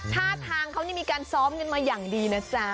ท่าทางเขานี่มีการซ้อมกันมาอย่างดีนะจ๊ะ